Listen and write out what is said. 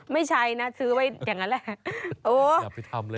ไม่ใช่นะซื้อไว้อย่างนั้นแหละ